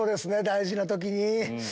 大事な時に。